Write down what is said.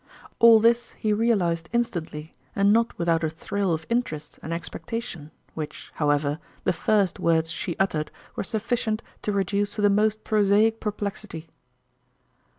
All this he realized instantly, and not with out a thrill of interest and expectation, which, however, the first words she uttered were suffi cient to reduce to the most prosaic perplexity.